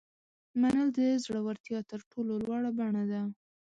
منل د زړورتیا تر ټولو لوړه بڼه ده.